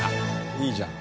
いいじゃん。